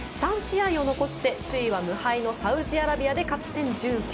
３試合を残して首位は無敗のサウジアラビアで勝ち点１９。